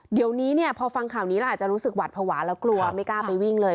เดี๋ยวนี้เนี่ยพอฟังข่าวนี้แล้วอาจจะรู้สึกหวัดภาวะแล้วกลัวไม่กล้าไปวิ่งเลย